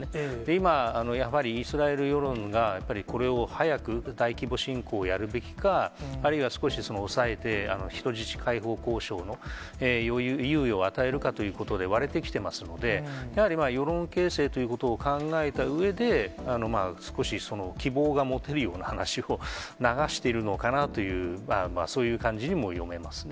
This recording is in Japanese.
今、やはりイスラエル世論が、やっぱりこれを早く大規模侵攻をやるべきか、あるいは少し抑えて、人質解放交渉の猶予を与えるかということで割れてきてますので、やはり世論形成ということを考えたうえで、少し希望が持てるような話を流しているのかなという、そういう感じにも読めますね。